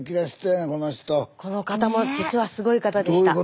この方も実はすごい方でした。